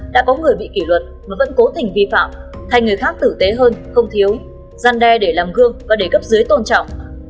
đã có người bị kỷ luật mà vẫn cố tình vi phạm thay người khác tử tế hơn không thiếu gian đe để làm gương và để cấp dưới tôn trọng